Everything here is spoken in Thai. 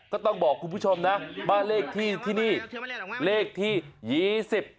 ก็ต้องบอกคุณผู้ชมนะบ้านเลขที่ที่นี่เลขที่ยี่สิบ